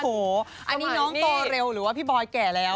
โอ้โหอันนี้น้องโตเร็วหรือว่าพี่บอยแก่แล้ว